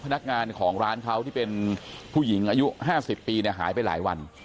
พนักงานของร้านเขาที่เป็นผู้หญิงอายุ๕๐ปีหายไปหลายวัน